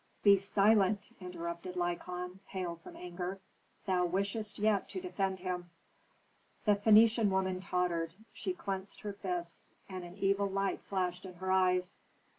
"Be silent!" interrupted Lykon, pale from anger. "Thou wishest yet to defend him." The Phœnician woman tottered; she clinched her fists, and an evil light flashed in her eyes.